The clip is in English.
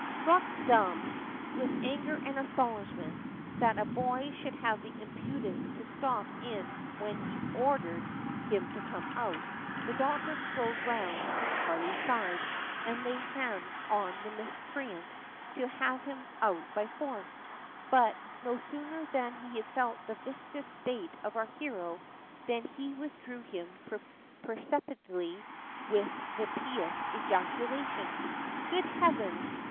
Struck dumb with anger and astonishment, that a boy should have the impudence to stop in when he ordered him to come out, the doctor strode round to Charley's side, and laid hands on the miscreant to have him out by force; but, no sooner had he felt the viscous state of our hero, than he withdrew them precipitately, with the pious ejaculation, "Good heavens!